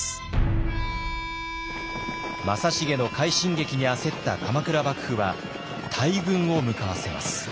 正成の快進撃に焦った鎌倉幕府は大軍を向かわせます。